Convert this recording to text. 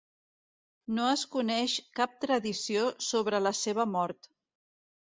No es coneix cap tradició sobre la seva mort.